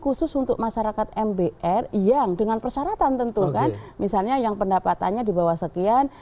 khusus untuk masyarakat mbr yang dengan persyaratan tentu kan misalnya yang pendapatannya di bawah sekian